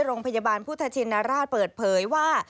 โรงพยาบาลพุทธชินราชเปิดเผยว่า